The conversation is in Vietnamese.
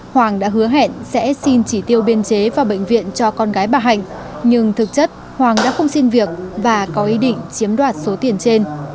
hoàng đã hứa hẹn sẽ xin chỉ tiêu biên chế vào bệnh viện cho con gái bà hạnh nhưng thực chất hoàng đã không xin việc và có ý định chiếm đoạt số tiền trên